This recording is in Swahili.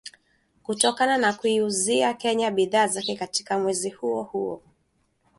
kutokana na kuiuzia Kenya bidhaa zake katika mwezi huo huo